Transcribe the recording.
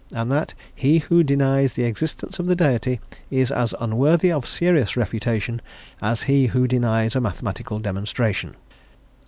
And that he who denies the existence of the Deity is as unworthy of serious refutation as is he who denies a mathematical demonstration."